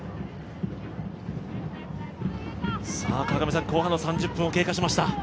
川上さん、後半の３０分を経過しました。